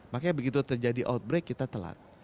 makanya begitu terjadi outbreak kita telat